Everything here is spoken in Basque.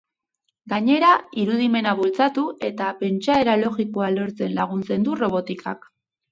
Gainera, irudimena bultzatu eta pentsaera logikoa lortzen laguntzen du robotikak.